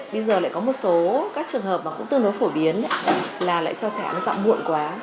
bây giờ lại có một số các trường hợp mà cũng tương đối phổ biến là lại cho trẻ ăn dọn muộn quá